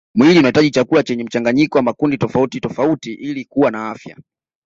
Mwili unahitaji chakula chenye mchanganyiko wa makundi tofauti tofauti ili kuwa na afya